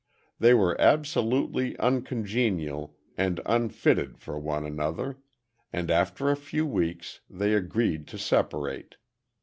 They were absolutely uncongenial and unfitted for one another, and after a few weeks, they agreed to separate.